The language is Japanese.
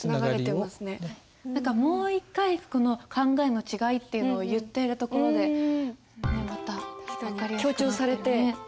何かもう一回この考えの違いっていうのをいってるところでまた分かりやすくなってるね。